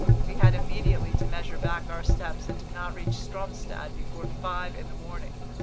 We had immediately to measure back our steps, and did not reach Stromstad before five in the morning.